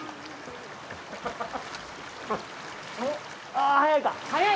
あ早いか。